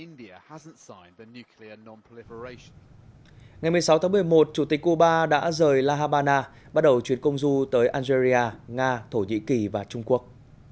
ngày một mươi sáu tháng một mươi một chủ tịch cuba đã rời la habana bắt đầu chuyến công du tới algeria nga thổ nhĩ kỳ và trung quốc